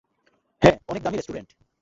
হ্যাঁ, অনেক দামি রেস্টুরেন্ট।